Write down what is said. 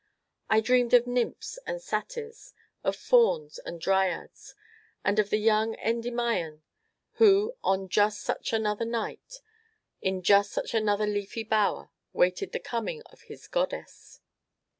I dreamed of nymphs and satyrs, of fauns and dryads, and of the young Endymion who, on just such another night, in just such another leafy bower, waited the coming of his goddess.